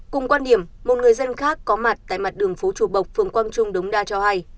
cùng quan điểm một người dân khác có mặt tại mặt đường phố chùa bộc phường quang trung đống đa cho hay